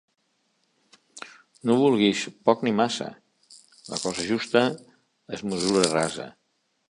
No vulguis poc ni massa; la cosa justa és mesura rasa.